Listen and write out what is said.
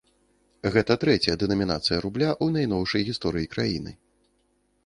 Гэта трэцяя дэнамінацыя рубля ў найноўшай гісторыі краіны.